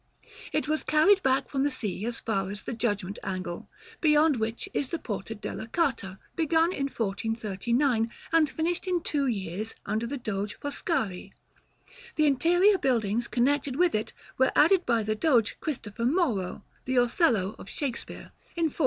It was carried back from the Sea as far as the Judgment angle; beyond which is the Porta della Carta, begun in 1439, and finished in two years, under the Doge Foscari; the interior buildings connected with it were added by the Doge Christopher Moro (the Othello of Shakspeare) in 1462.